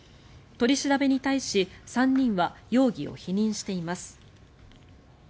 取り調べに対し３人は容疑を否認しています。